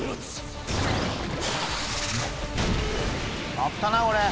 あったなこれ。